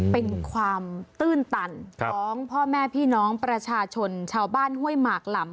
เป็นความตื้นตันของพ่อแม่พี่น้องประชาชนชาวบ้านห้วยหมากหลำ